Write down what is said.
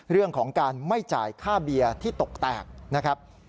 เรื่องของการไม่จ่ายค่าเบียร์ที่ตกแตกนะครับ